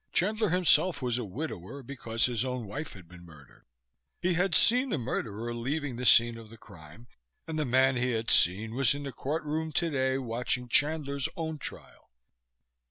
Chandler himself was a widower because his own wife had been murdered. He had seen the murderer leaving the scene of the crime, and the man he had seen was in the courtroom today, watching Chandler's own trial.